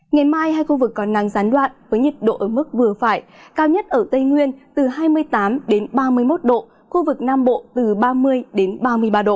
ngày mai hai khu vực còn nắng gián đoạn với nhiệt độ ở mức vừa phải cao nhất ở tây nguyên từ hai mươi tám ba mươi một độ khu vực nam bộ từ ba mươi ba mươi ba độ